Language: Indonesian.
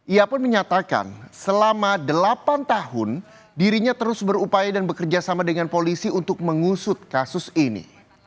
ia pun menyatakan selama delapan tahun dirinya terus berupaya dan bekerja sama dengan polisi untuk mengusut kasus ini